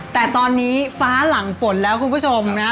แต่ตอนนี้ฟ้าหลังฝนแล้วคุณผู้ชมนะ